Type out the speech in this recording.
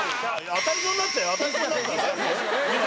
当たりそうになってた」